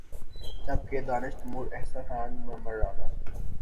جب کہ دانش تیمور، احسن خان، معمر رانا